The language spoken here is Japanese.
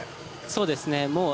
そうですね。